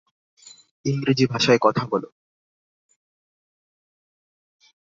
ইংরেজি ভাষায় কথা বলো।